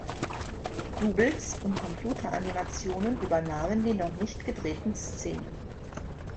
Doubles und Computeranimationen übernahmen die noch nicht gedrehten Szenen.